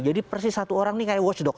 jadi persis satu orang ini kayak watchdog